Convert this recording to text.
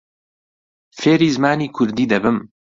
فێری زمانی کوردی دەبم.